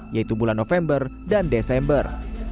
yaitu bulan november dan desember